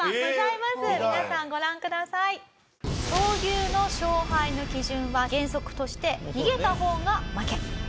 闘牛の勝敗の基準は原則として逃げた方が負け。